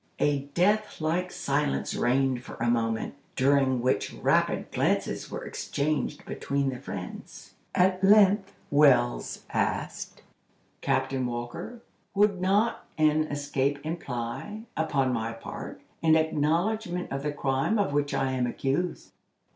A deathlike silence reigned for a moment, during which rapid glances were exchanged between the friends. At length Wells asked: "Captain Walker, would not an escape imply, upon my part, an acknowledgment of the crime of which I am accused?"